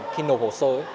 khi nộp hồ sơ